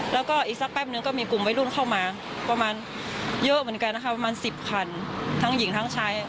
แล้วก็อีกสักแป๊บนึงก็มีกลุ่มวัยรุ่นเข้ามาประมาณเยอะเหมือนกันนะคะประมาณ๑๐คันทั้งหญิงทั้งชาย